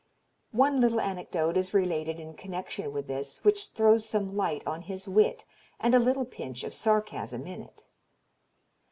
One little anecdote is related in connection with this which throws some light on his wit, and a little pinch of sarcasm in it.